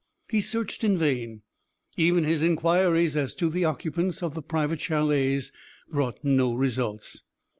He searched in vain. Even his inquiries as to the occupants of the private chalets brought no results.